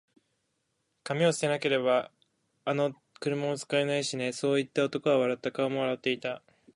「紙を捨てなけれれば、あの車も使えないしね」そう言って、男は笑った。顔も笑っていた。